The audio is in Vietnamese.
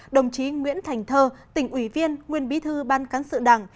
đồng chí nguyễn thành thơ tỉnh ủy viên nguyên bí thư ban cán sự đảng